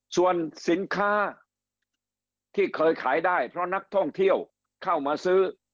ส่วนสินค้าที่เคยขายได้เพราะนักท่องเที่ยวเข้ามาซื้อ